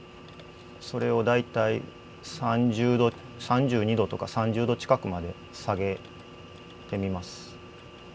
それを大体３０度３２度とか３０度近くまで下げてみます。